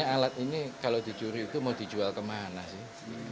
alat ini kalau dicuri itu mau dijual kemana sih